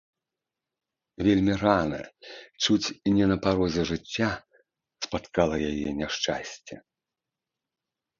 Вельмі рана, чуць не на парозе жыцця, спаткала яе няшчасце.